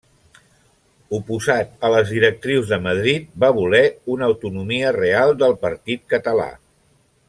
Oposat a les directrius de Madrid va voler una autonomia real del partit català.